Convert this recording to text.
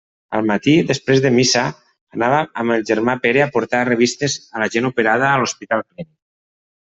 Al matí, després de missa, anava amb el germà Pere a portar revistes a la gent operada, a l'Hospital Clínic.